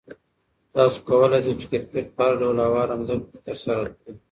تاسو کولای شئ چې کرکټ په هر ډول هواره ځمکه کې ترسره کړئ.